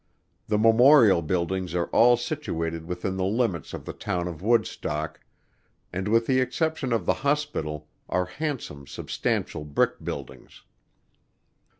The memorial buildings are all situated within the limits of the town of Woodstock, and, with the exception of the hospital, are handsome substantial brick buildings.